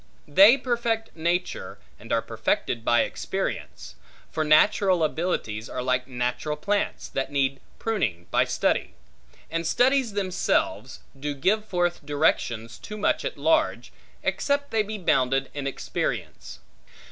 They perfect nature, and are perfected by experience: for natural abilities are like natural plants, that need proyning, by study; and studies themselves, do give forth directions too much at large, except they be bounded in by experience.